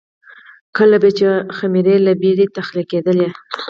کله به چې خُمرې له بېړۍ تخلیه کېدلې